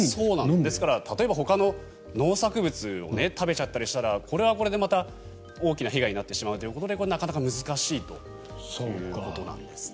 ですから例えばほかの農作物を食べちゃったりとかすればこれはこれでまた、大きな被害になってしまうということでなかなか難しいということなんですって。